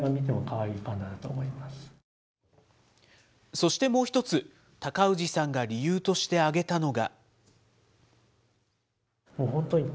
そしてもう一つ、高氏さんが理由として挙げたのが。